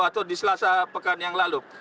atau di selasa pekan yang lalu